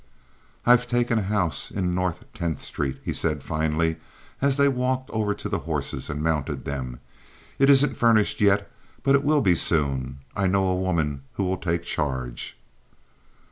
"I've taken a house in North Tenth Street," he said finally, as they walked over to the horses and mounted them. "It isn't furnished yet; but it will be soon. I know a woman who will take charge."